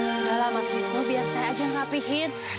sudahlah mas wisnu biar saya aja yang ngapihin